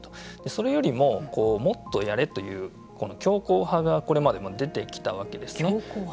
それよりも、もっとやれという強硬派がこれまでも出てきたわけですね。